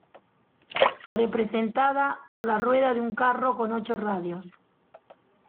Representada por la rueda de un carro con ocho radios.